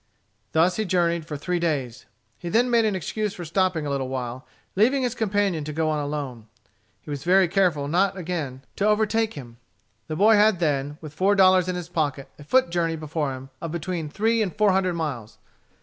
Thus he journeyed for three days. He then made an excuse for stopping a little while, leaving his companion to go on alone. He was very careful not again to overtake him. The boy had then, with four dollars in his pocket, a foot journey before him of between three and four hundred miles.